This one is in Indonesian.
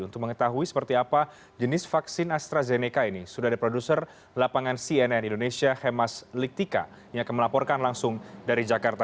untuk mengetahui seperti apa jenis vaksin astrazeneca ini sudah ada produser lapangan cnn indonesia hemas liktika yang akan melaporkan langsung dari jakarta